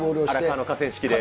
荒川の河川敷で。